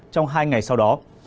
trong hai ngày sau đó